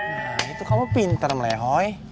nah itu kamu pinter melehoy